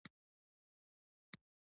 د کوټي ښار د ښونکو سازمان کار بندي اعلان کړه